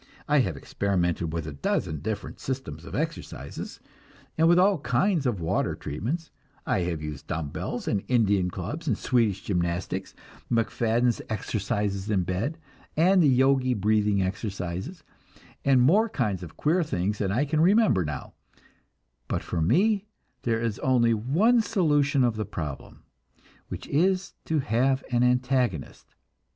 I have experimented with a dozen different systems of exercises, and with all kinds of water treatments; I have used dumb bells and Indian clubs and Swedish gymnastics, MacFadden's exercises in bed, and the Yogi breathing exercises, and more kinds of queer things than I can remember now; but for me there is only one solution of the problem, which is to have an antagonist.